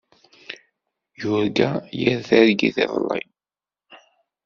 Yurga yir targit iḍelli.